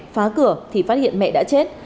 phá cửa thì phát hiện mẹ đã chết